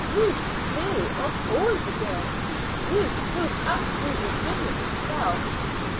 Ruth, too, of all the girls Ruth who was absolutely goodness itself.